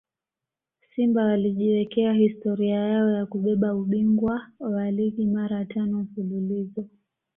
Simba walijiwekea historia yao ya kubeba ubingwa wa ligi mara tano mfululizo